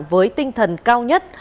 với tinh thần cao nhất